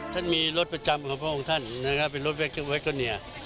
ท่านมีรถประจำของพระองค์ท่านนะครับเป็นรถแคปไว้ก็เนี่ย